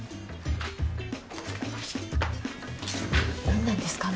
何なんですか？